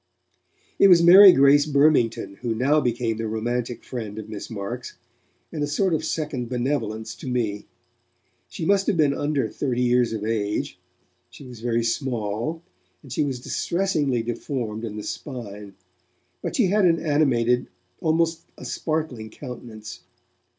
It was Mary Grace Burmington who now became the romantic friend of Miss Marks, and a sort of second benevolence to me. She must have been under thirty years of age; she wax very small, and she was distressingly deformed in the spine, but she had an animated, almost a sparkling countenance.